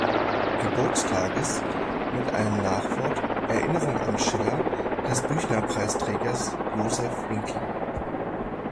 Geburtstages mit einem Nachwort "Erinnerung an Schiller" des Büchner-Preisträgers Josef Winkler.